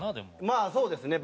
まあそうですね。